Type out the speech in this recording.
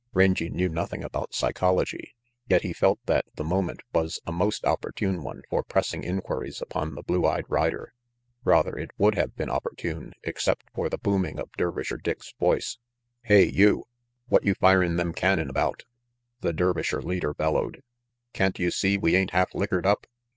Rangy knew nothing about psychology, yet he felt that the moment was a most opportune one for pressing inquiries upon the blue eyed rider. Rather, it would have been opportune except for the booming of Dervisher Dick's voice. "Hey, you, what you firin* them cannon about?" the Dervisher leader bellowed. "Can't you see we ain't half lickered up?"